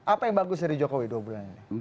apa yang bagus dari jokowi dua bulan ini